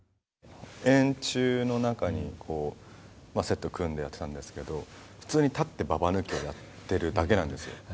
円柱の中に、セットを組んでやってたんですけど、普通に立ってババ抜きをやってるだけなんですよ。